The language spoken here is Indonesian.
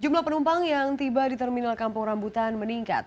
jumlah penumpang yang tiba di terminal kampung rambutan meningkat